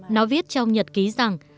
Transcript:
nó viết trong nhật ký rằng